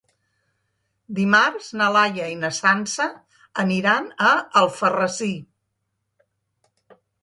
Dimarts na Laia i na Sança aniran a Alfarrasí.